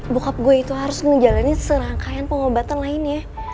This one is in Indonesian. bokap gue itu harus menjalani serangkaian pengobatan lainnya